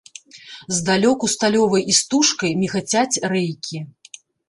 Здалёку сталёвай істужкай мігацяць рэйкі.